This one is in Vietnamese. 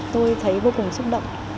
tôi thấy vô cùng xúc động